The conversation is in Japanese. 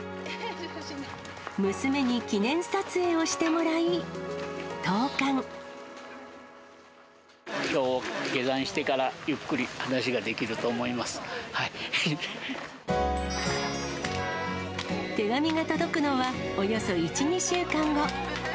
娘に記念撮影をしてもらい、きょう下山してから、ゆっく手紙が届くのはおよそ１、２週間後。